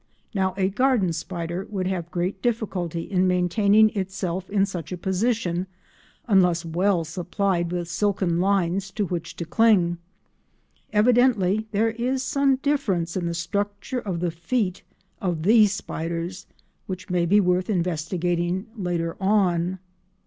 Now a garden spider would have great difficulty in maintaining itself in such a position unless well supplied with silken lines to which to cling; evidently there is some difference in the structure of the feet of these spiders which may be worth investigating later on.